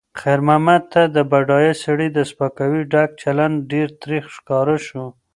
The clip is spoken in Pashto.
خیر محمد ته د بډایه سړي د سپکاوي ډک چلند ډېر تریخ ښکاره شو.